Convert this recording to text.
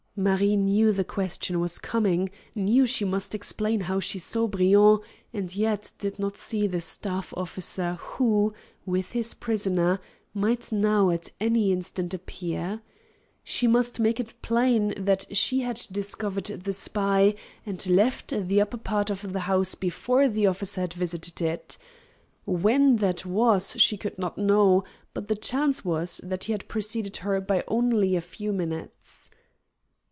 Marie knew the question was coming, knew she must explain how she saw Briand, and yet did not see the staff officer who, with his prisoner, might now at any instant appear. She must make it plain she had discovered the spy and left the upper part of the house before the officer had visited it. When that was she could not know, but the chance was that he had preceded her by only a few minutes.